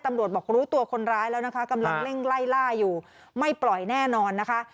บอกรู้ตัวคนร้ายแล้วนะคะกำลังเร่งไล่ล่าอยู่ไม่ปล่อยแน่นอนนะคะ